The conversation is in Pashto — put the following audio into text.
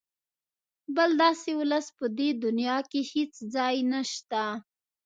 بل داسې ولس په دې دونیا کې هېڅ ځای نشته.